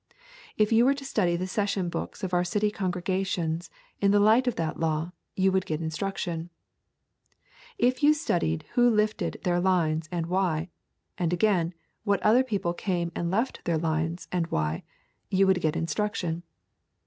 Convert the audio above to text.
If you were to study the session books of our city congregations in the light of that law, you would get instruction. If you just studied who lifted their lines, and why; and, again, what other people came and left their lines, and why, you would get instruction.